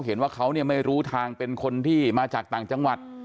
เห็นว่าเขาเนี่ยไม่รู้ทางเป็นคนที่มาจากต่างจังหวัด